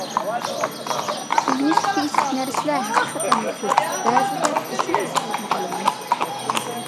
ئۆگىنىشكە تېگىشلىك نەرسىلەر ھەقىقەتەنمۇ كۆپ، بەزىدە بېسىم ھېس قىلىپمۇ قالىمەن.